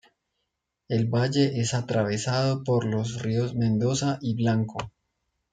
El valle es atravesado por los ríos Mendoza y Blanco.